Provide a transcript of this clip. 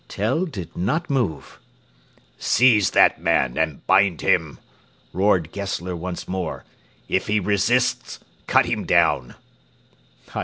Tell did not move. "Seize that man and bind him," roared Gessler once more. "If he resists, cut him down."